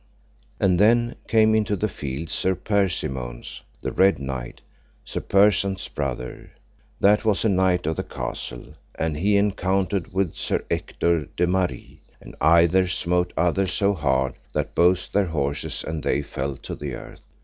And then came into the field Sir Perimones, the Red Knight, Sir Persant's brother, that was a knight of the castle, and he encountered with Sir Ector de Maris, and either smote other so hard that both their horses and they fell to the earth.